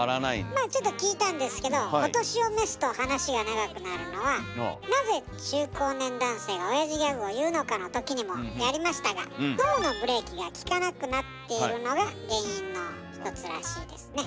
まあちょっと聞いたんですけどお年を召すと話が長くなるのは「なぜ中高年男性がおやじギャグを言うのか」のときにもやりましたが脳のブレーキがきかなくなっているのが原因の一つらしいですね。